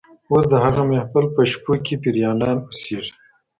اوس د هغه محفل په شپو کي پېریانان اوسېږي